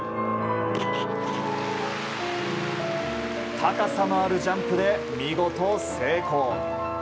高さのあるジャンプで見事成功。